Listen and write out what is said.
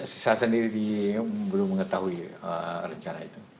saya sendiri belum mengetahui rencana itu